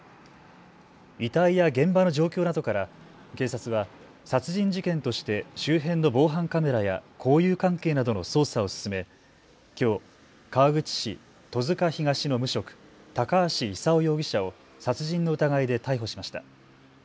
遺体や現場の状況などから警察は殺人事件として周辺の防犯カメラや交友関係などの捜査を進め、きょう、川口市戸塚東の無職高橋勲容疑者を殺人の疑いで逮捕しました。